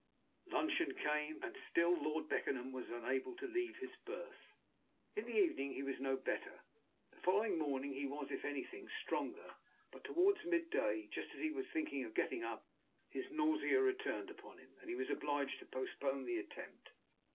Luncheon came, and still Lord Beckenham was unable to leave his berth. In the evening he was no better. The following morning he was, if anything, stronger; but towards mid day, just as he was thinking of getting up, his nausea returned upon him, and he was obliged to postpone the attempt.